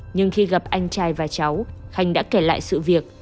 nhưng khi gặp anh trai và cháu khanh đã kể lại sự việc